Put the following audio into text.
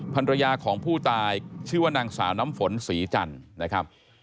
ภรรยาของผู้ตายชื่อว่านางสาวน้ำฝนศรีจันทร์นะครับ